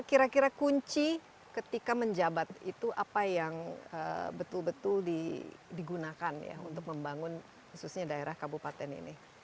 kira kira kunci ketika menjabat itu apa yang betul betul digunakan ya untuk membangun khususnya daerah kabupaten ini